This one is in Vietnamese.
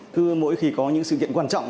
thứ mỗi khi có những sự kiện quan trọng